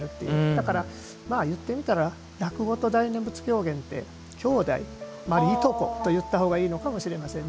だから言ってみたら落語と大念仏狂言って兄弟、いとこといったほうがいいのかもしれませんね。